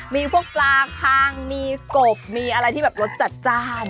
มีพวกปลาคางมีกบมีอะไรที่แบบรสจัดจ้าน